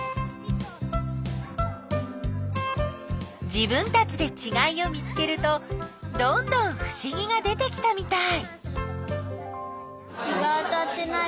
自分たちでちがいを見つけるとどんどんふしぎが出てきたみたい！